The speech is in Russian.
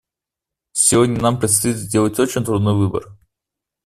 Сегодня нам предстоит сделать очень трудный выбор.